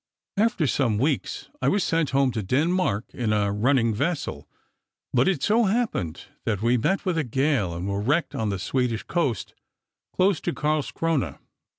After some weeks, I was sent home to Denmark in a running vessel; but it so happened that we met with a gale, and were wrecked on the Swedish coast, close to Carlscrona.